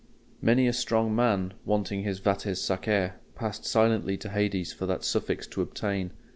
Many a strong man, wanting his vates sacer, passed silently to Hades for that suffix to obtain.